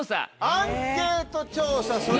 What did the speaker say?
アンケート・調査。